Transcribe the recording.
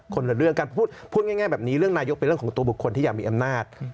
ละเรื่องการพูดง่ายแบบนี้เรื่องนายกเป็นเรื่องของตัวบุคคลที่อยากมีอำนาจ